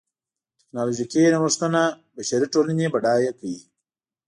ټکنالوژیکي نوښتونه بشري ټولنې بډایه کوي.